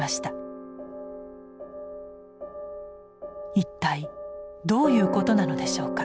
一体どういうことなのでしょうか？